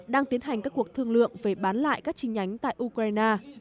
đang tiến hành các cuộc thương lượng về bán lại các chi nhánh tại ukraine